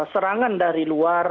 serangan dari luar